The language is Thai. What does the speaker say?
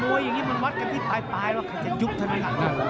มวยอย่างนี้มันวัดกันที่ปลายว่าใครจะยุบเท่านั้น